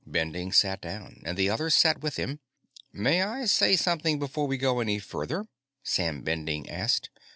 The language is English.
Bending sat down, and the others sat with him. "May I say something before we go any further?" Sam Bending asked.